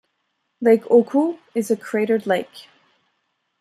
Lake Oku is a cratert lake.